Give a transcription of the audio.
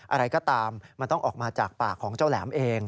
อะไรก็ตามมันต้องออกมาจากปากของเจ้าแหลมเอง